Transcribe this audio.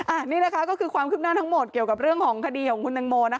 อันนี้นะคะก็คือความคืบหน้าทั้งหมดเกี่ยวกับเรื่องของคดีของคุณตังโมนะคะ